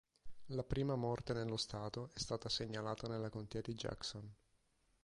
La prima morte nello stato è stata segnalata nella contea di Jackson.